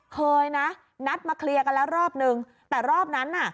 เคยนะนัดมาเคลียร์กันแล้วรอบนึงแต่รอบนั้นน่ะ